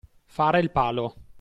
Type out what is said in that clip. Fare il palo.